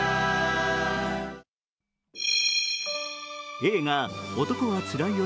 映画「男はつらいよ」